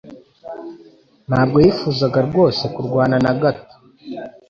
Ntabwo yifuzaga rwose kurwana na gato.